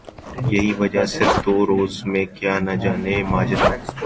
یہی وجہ صرف دو روز میں کیا نجانے ماجرہ ہوا